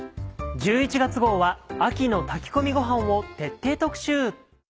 １１月号は「秋の炊き込みごはん」を徹底特集。